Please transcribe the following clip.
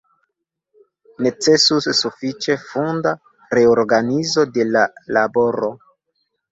Necesus sufiĉe funda reorganizo de la laboro.